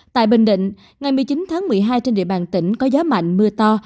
tại bình định ngày một mươi chín tháng một mươi hai trên địa bàn tỉnh có gió mạnh mưa to